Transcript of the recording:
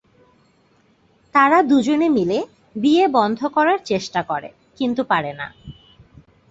তারা দুজনে মিলে বিয়ে বন্ধ করার চেষ্টা করে, কিন্তু পারেনা।